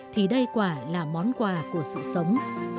thì đây quả là món quà của sự sống